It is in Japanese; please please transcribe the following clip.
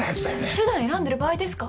手段選んでる場合ですか？